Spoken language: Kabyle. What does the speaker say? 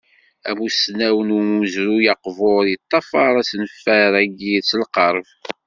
Amusnaw n umezruy aqbur yeṭṭafaṛen asenfar-agi s lqerb.